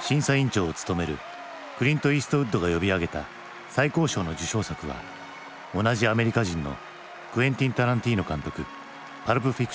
審査委員長を務めるクリント・イーストウッドが呼び上げた最高賞の受賞作は同じアメリカ人のクエンティン・タランティーノ監督「パルプ・フィクション」。